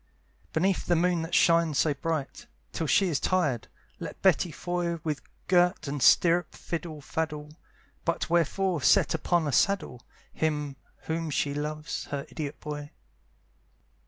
Beneath the moon that shines so bright, Till she is tired, let Betty Foy With girt and stirrup fiddle faddle; But wherefore set upon a saddle Him whom she loves, her idiot boy?